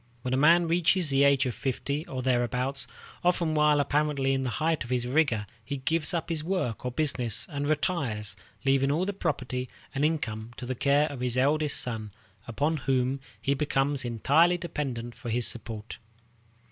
When a man reaches the age of fifty or thereabouts, often while apparently in the height of his vigor, he gives up his work or business and retires, leaving all the property and income to the care of his eldest son, upon whom he becomes entirely dependent for his support.